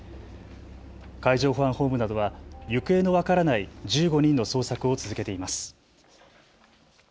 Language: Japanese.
海上保安本部などは行方の分からない１５人の捜索を続けています。